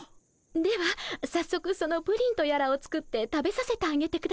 ではさっそくそのプリンとやらを作って食べさせてあげてください。